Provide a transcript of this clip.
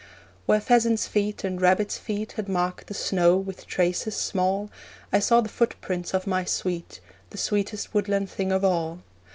Where pheasants' feet and rabbits' feet Had marked the snow with traces small, I saw the footprints of my sweet The sweetest woodland thing of all.